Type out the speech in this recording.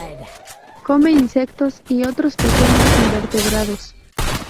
Come insectos y otros pequeños invertebrados.